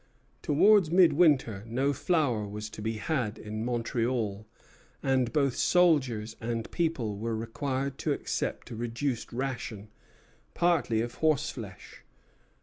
Towards midwinter no flour was to be had in Montreal; and both soldiers and people were required to accept a reduced ration, partly of horse flesh.